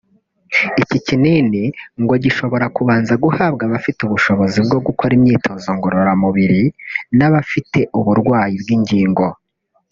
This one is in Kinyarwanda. Iki kinini ngo gishobora kubanza guhabwa abafite ubushobozi bwo gukora imyitozo ngororamubiri n’abafite uburwayi bw’ingingo